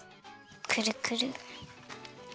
くるくる。